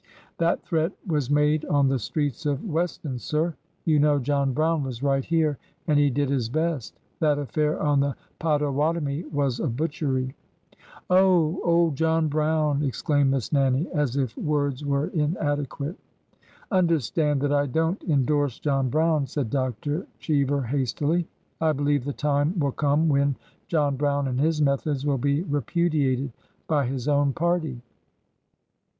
That threat was made on the streets of Weston, sir. You know John Brown was right here,— and he did his best. That affair on the Pottawatomie was a butchery !" Oh h ! old John Brown !" exclaimed Miss Nannie, as if words were inadequate. Understand that I don't indorse John Brown," said Dr. Cheever, hastily. " I believe the time will come when John Brown and his methods will be repudiated by his own party."